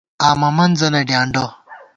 آمہ منزَنہ ڈیانڈہ